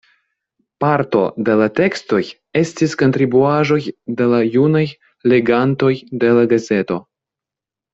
Parto de la tekstoj estis kontribuaĵoj de la junaj legantoj de la gazeto.